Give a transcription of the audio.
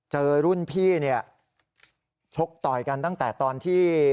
เจอรุ่นพี่เนี่ยชกต่อยกันตั้งแต่ตอนที่